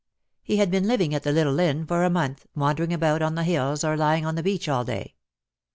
He had been living at the little inn for a month, wandering about on the hills or lying on the beach all day.